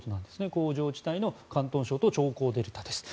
工場地帯の広東省と長江デルタです。